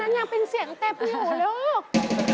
ไม่อันนั้นยังเป็นเสียงเต็บอยู่ลูก